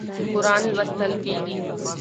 قرآن لوستل کېږي.